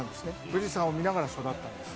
富士山を見ながら育ったんです。